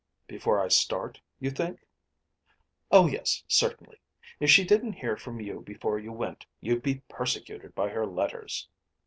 "Before I start, you think?" "Oh, yes; certainly. If she didn't hear from you before you went, you'd be persecuted by her letters."